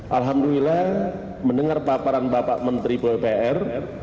alhamdulillah mendengar paparan bapak menteri pupr